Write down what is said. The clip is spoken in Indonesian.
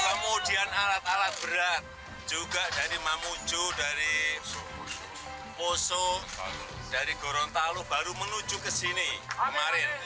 kemudian alat alat berat juga dari mamuju dari poso dari gorontalo baru menuju ke sini kemarin